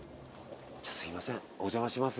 すいませんお邪魔します。